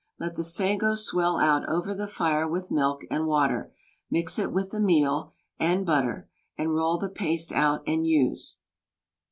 Let the sago swell out over the fire with milk and water, mix it with the meal and butter, and roll the paste out and use.